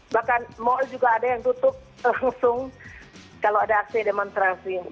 bahkan mal juga ada yang tutup langsung kalau ada aksi demonstrasi